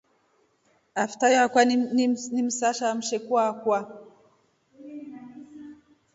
Aftyo akwaa ni msasha wa msheku akwa.